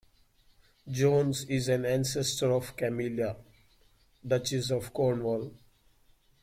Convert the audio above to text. Jones is an ancestor of Camilla, Duchess of Cornwall.